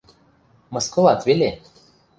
Мыскылат веле.